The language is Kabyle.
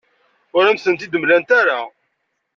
Ur am-tent-id-mlant ara.